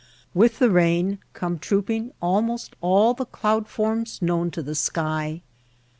With the rain come trooping almost all the cloud forms known to the sky.